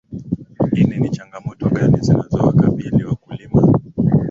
ini ni changamoto gani zinazowakabili wakulima